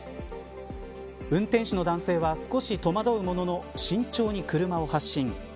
運転手の男性は少し戸惑うものの慎重に車を発進。